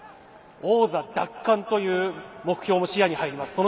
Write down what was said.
王座奪還という目標も視野に入ります。